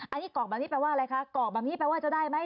อันนี้กรอกแบบนี้แปลว่าอะไรคะกรอกแบบนี้แปลว่าจะได้ไหม